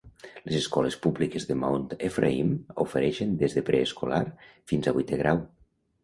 Les escoles públiques de Mount Ephraim ofereixen des de preescolar fins a vuitè grau.